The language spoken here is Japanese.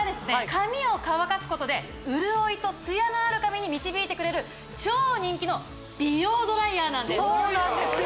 髪を乾かすことで潤いとツヤのある髪に導いてくれる超人気の美容ドライヤーなんですそうなんですよ